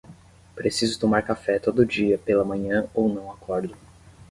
Preciso tomar café todo dia pela manhã ou não acordo.